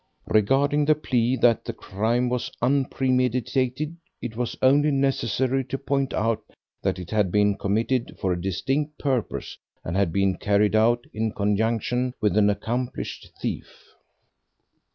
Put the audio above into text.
Regarding the plea that the crime was unpremeditated, it was only necessary to point out that it had been committed for a distinct purpose and had been carried out in conjunction with an accomplished thief.